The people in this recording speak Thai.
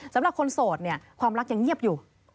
สำหรับคนโสดเนี่ยความรักยังเงียบอยู่